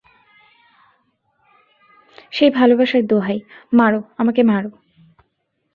সেই ভালোবাসার দোহাই, মারো, আমাকে মারো।